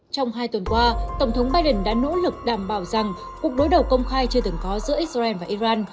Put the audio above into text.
trong hai tuần qua tổng thống biden đã nỗ lực đảm bảo rằng cuộc đối đầu công khai chưa từng có giữa israel và iran